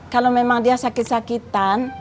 kalau memang dia sakit sakitan